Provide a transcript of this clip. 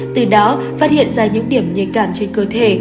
từ đó phát hiện ra những điểm nhạy cảm trên cơ thể